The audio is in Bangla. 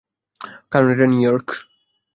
কারণ, এটা নিউইয়র্ক!